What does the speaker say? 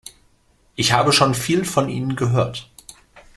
Ich habe schon viel von Ihnen gehört.